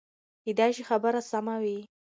کېدای شي خبره سمه وي.